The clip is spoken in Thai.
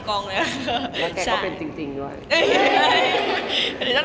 ก็รู้เลย